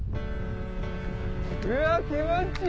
うわ気持ちいい！